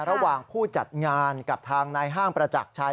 ระหว่างผู้จัดงานกับทางนายห้างประจักรชัย